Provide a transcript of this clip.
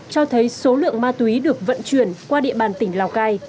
cho thấy số lượng ma túy được vận chuyển qua địa bàn tỉnh lào cai